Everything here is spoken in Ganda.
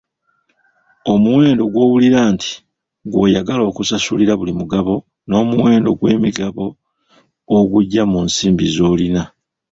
Omuwendo gw'owulira nti gw'oyagala okusasulira buli mugabo n'omuwendo gw'emigabo ogugya mu nsimbi z'olina.